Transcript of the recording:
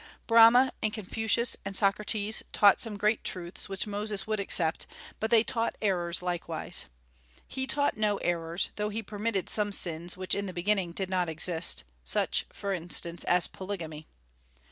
Brahma and Confucius and Socrates taught some great truths which Moses would accept, but they taught errors likewise. He taught no errors, though he permitted some sins which in the beginning did not exist, such, for instance, as polygamy.